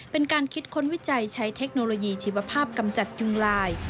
เป็นการคิดค้นวิจัยใช้เทคโนโลยีชีวภาพกำจัดยุงลาย